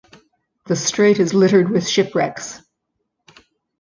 The strait is littered with shipwrecks.